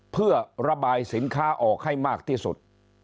เพื่อระบายสินค้าออกให้มากที่สุด